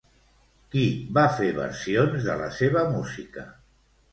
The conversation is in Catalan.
Qui va fer versions de la seva música?